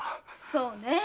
そうね